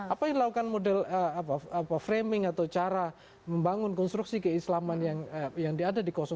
apa yang dilakukan model framing atau cara membangun konstruksi keislaman yang diadakan